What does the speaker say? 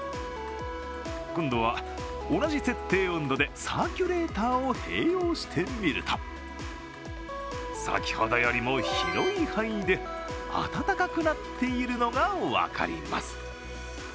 今度は同じ設定温度でサーキュレーターを併用してみると先ほどよりも広い範囲で暖かくなっているのが分かります。